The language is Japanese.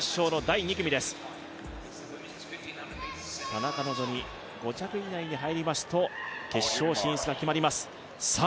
田中希実、５着以内に入りますと決勝進出が決まります。